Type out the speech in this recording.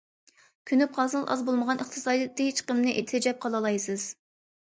كۆنۈپ قالسىڭىز ئاز بولمىغان ئىقتىسادىي چىقىمنى تېجەپ قالالايسىز.